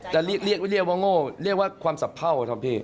จะเรียกว่าโง่เรียกว่าความสับเภาครับพี่